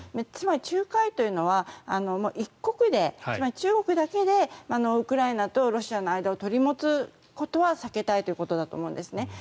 つまり、仲介というのは一国でつまり中国だけでウクライナとロシアの間を取り持つことは避けたいということだと思うんです。